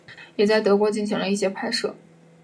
也在德国进行了一些拍摄。